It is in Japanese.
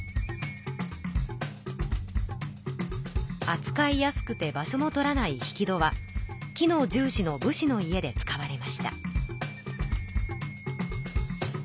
あつかいやすくて場所も取らない引き戸は機能重しの武士の家で使われました。